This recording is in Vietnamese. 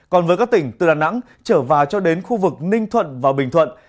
còn với các tỉnh từ đà nẵng trở vào cho đến khu vực ninh thuận và bình thuận